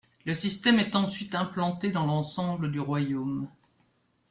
Le système est ensuite implanté dans l'ensemble du royaume.